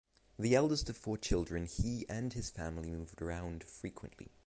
The eldest of four children, he and his family moved around frequently.